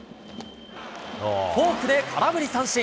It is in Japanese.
フォークで空振り三振。